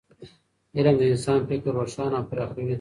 علم د انسان فکر روښانه او پراخوي.